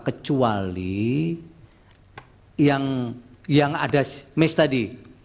kecuali yang ada miss tadi